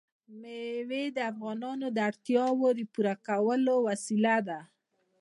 مېوې د افغانانو د اړتیاوو د پوره کولو وسیله ده.